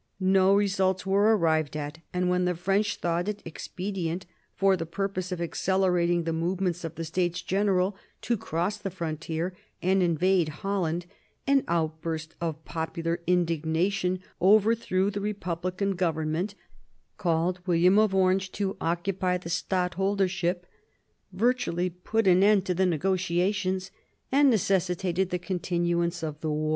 No results were arrived at, and when the French thought it ex pedient, for the purpose of accelerating the movements of the States General, to cross the frontier and invade Holland, an outburst of popular indignation overthrew the Republican Government, called William of Orange to occupy the stadtholdership, virtually put an end to the negotiations, and necessitated the continuance of the war.